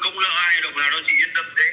không lo ai được nào đâu chỉ yên tâm thế